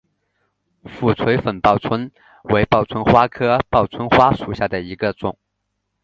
俯垂粉报春为报春花科报春花属下的一个种。